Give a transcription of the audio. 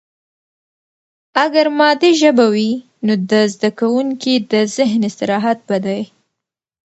اگر مادي ژبه وي، نو د زده کوونکي د ذهن استراحت به دی.